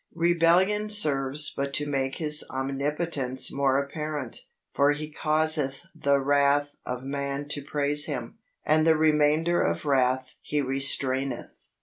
Rebellion serves but to make His omnipotence more apparent, for He causeth the wrath of man to praise Him, and the remainder of wrath He restraineth.